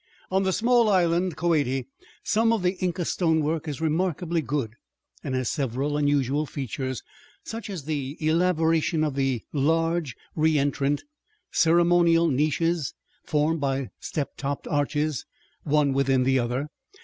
On the small island, Koati, some of the Inca stonework is remarkably good, and has several unusual features, such as the elaboration of the large, reëntrant, ceremonial niches formed by step topped arches, one within the other.